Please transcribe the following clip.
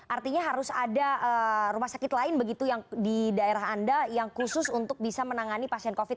artinya harus ada rumah sakit lain begitu yang di daerah anda yang khusus untuk bisa menangani pasien covid sembilan belas